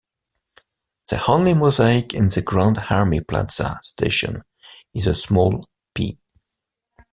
The only mosaic in the Grand Army Plaza station is a small "P".